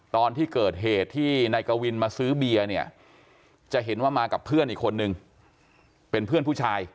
ตอนที่เกิดเหตุที่นายกวินมาซื้อเบียร์เนี่ยจะเห็นว่ามากับเพื่อนอีกคนนึงเป็นเพื่อนผู้ชาย